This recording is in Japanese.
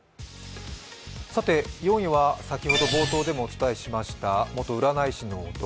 ４位は先ほど冒頭でもお伝えしました元占い師の男。